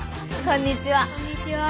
こんにちは。